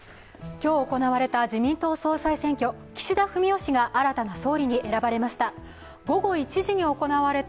今日行われた自民党総裁選挙、岸田文雄氏が新たな総理に選ばれました。